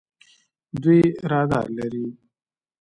دوی رادار لري.